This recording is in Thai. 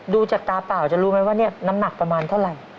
ดูจากตาเปล่าจะรู้ไหมว่าเนี่ยน้ำหนักประมาณเท่าไหร่